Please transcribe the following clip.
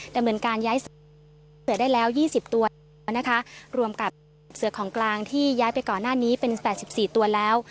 ดำเนินการย้ายเปลือกได้แล้ว๒๐ตัวนะคะรวมกับเสือของกลางที่ย้ายไปก่อนหน้านี้เป็น๘๔ตัวแล้ว